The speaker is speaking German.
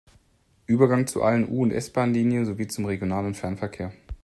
Übergang zu allen U- und S-Bahnlinien sowie zum Regional- und Fernverkehr.